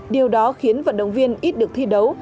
điều đó khiến vận động viên ít được thi đấu